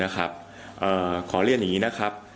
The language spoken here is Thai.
ขอเรียนอย่างนี้